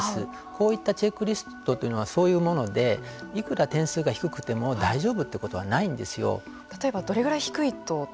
こういったチェックリストというのはそういうものでいくら点数が低くても例えばどれぐらい低いと。